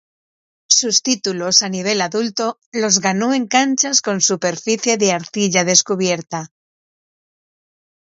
Sus títulos a nivel adulto los ganó en canchas con superficie de arcilla descubierta.